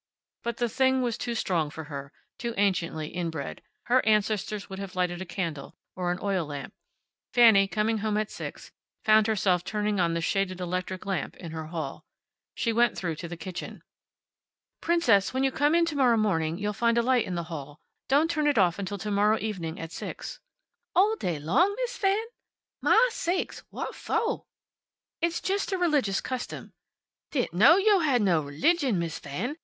But the thing was too strong for her, too anciently inbred. Her ancestors would have lighted a candle, or an oil lamp. Fanny, coming home at six, found herself turning on the shaded electric lamp in her hall. She went through to the kitchen. "Princess, when you come in to morrow morning you'll find a light in the hall. Don't turn it off until to morrow evening at six." "All day long, Miss Fan! Mah sakes, wa' foh?" "It's just a religious custom." "Didn't know yo' had no relijin, Miss Fan.